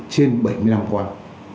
trên bảy mươi năm quan